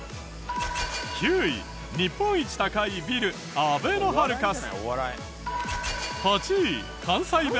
９位日本一高いビルあべのハルカス。